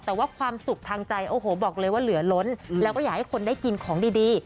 แต่ว่าความสุขทางใจโอ้โหบอกเลยว่าเหลือล้นแล้วก็อยากให้คนได้กินของดี